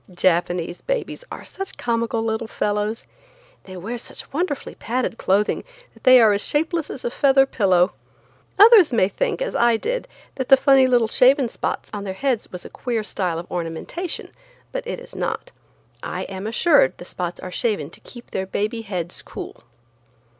Japanese babies are such comical little fellows. They wear such wonderfully padded clothing that they are as shapeless as a feather pillow. Others may think, as I did, that the funny little shaven spots on their heads was a queer style of ornamentation, but it is not. I am assured the spots are shaven to keep their baby heads cool.